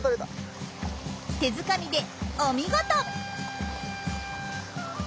手づかみでお見事！